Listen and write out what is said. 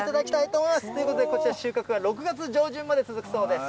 ということで、こちら、収穫は６月上旬まで続くそうです。